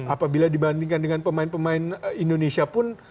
apabila dibandingkan dengan pemain pemain indonesia pun